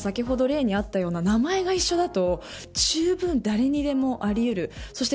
先ほど例にあったような名前が一緒だとじゅうぶん誰にでもあり得る。